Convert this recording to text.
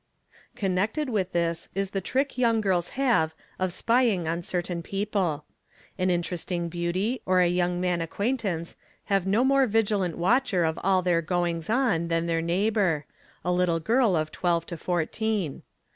Connected with this is the trick young girls have of spying on certain 'people. An interesting beauty or a young man acquaintance have no more Yigilant watcher of all their goings on than their neighbour—a little girl of twelve to fourteen.